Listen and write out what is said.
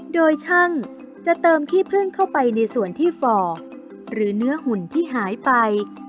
โดยช่างจะเติมขี้พึ่งเข้าไปในส่วนที่ฝ่อหรือเนื้อหุ่นที่หายไป